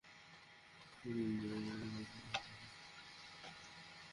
একে জুরজান সাগর ও তাবারিস্তান সাগরও বলা হয়।